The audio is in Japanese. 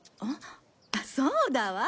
あっそうだわ！